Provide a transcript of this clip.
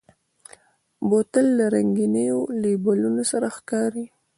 بوتل له رنګینو لیبلونو سره ښکاري.